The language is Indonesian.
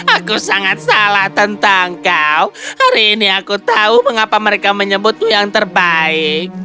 aku sangat salah tentang kau hari ini aku tahu mengapa mereka menyebutku yang terbaik